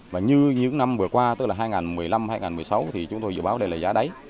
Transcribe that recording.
và như những năm vừa qua tức là hai nghìn một mươi năm hai nghìn một mươi sáu thì chúng tôi dự báo đây là giá đấy